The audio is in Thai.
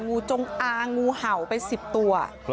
งูจงอางงูเห่าไป๑๐ตัว